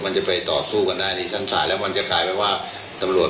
มันจะไปต่อสู้กันหน้าลิชันสามมันจะกลายเป็นว่าตำรวจ